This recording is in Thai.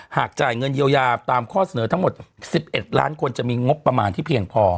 หากจ่ายเงินเยียวยาตามข้อเสนอทั้งหมด๑๑ล้านคนจะมีงบประมาณที่เพียงพอ